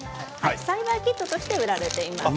栽培キットとして売られています。